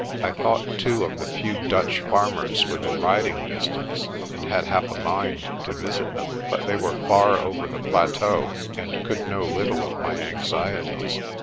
I thought, too, of the few Dutch farmers within riding distance, and had half a mind to visit them, but they were far over the plateau and could know little of my anxieties.